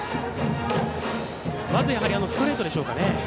まずストレートでしょうか。